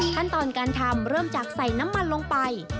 ขั้นตอนการทำเริ่มจากใส่น้ำมันลงไป